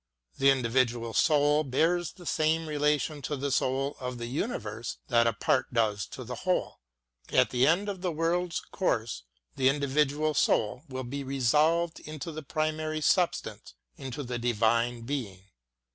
The individual soul bears the same relation to the soul of the universe that a part does to the whole. At the end of the world's course the individual soul will be resolved into the primary substance, into the Divine Being.